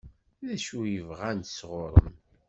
D acu i bɣant sɣur-m?